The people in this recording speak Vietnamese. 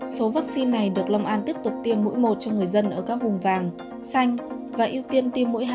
số vaccine này được long an tiếp tục tiêm mũi một cho người dân ở các vùng vàng xanh và ưu tiên tiêm mũi hai